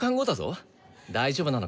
大丈夫なのか？